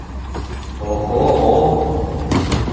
Оһо-о!